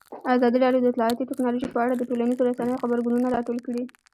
ازادي راډیو د اطلاعاتی تکنالوژي په اړه د ټولنیزو رسنیو غبرګونونه راټول کړي.